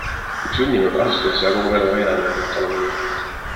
Me sünnime kahtlustades ja kogu elu veename end, et oleme elus.